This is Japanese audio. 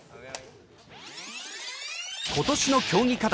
今年の競技課題